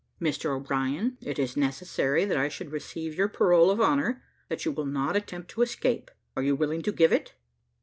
Mr O'Brien, it is necessary that I should receive your parole of honour, that you will not attempt to escape. Are you willing to give it?"